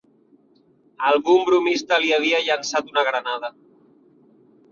Algun bromista li havia llançat una granada